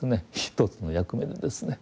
一つの役目でですね